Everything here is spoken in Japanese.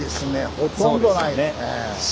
ほとんどないですね。